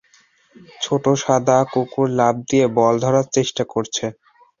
ছোট সাদা কুকুর লাফ দিয়ে বল ধরার চেষ্টা করছে